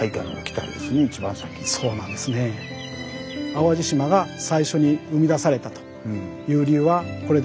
淡路島が最初に生み出されたという理由はこれで。